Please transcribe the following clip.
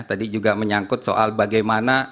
tadi juga menyangkut soal bagaimana